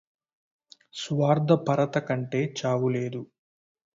స్వార్థపరతకంటె చావులేదు